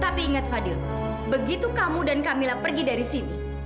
tapi ingat fadil begitu kamu dan kamila pergi dari sini